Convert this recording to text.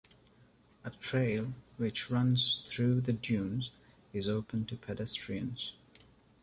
A trail, which runs through the dunes, is open to pedestrians.